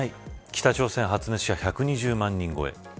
北朝鮮、発熱者１２０万人超え。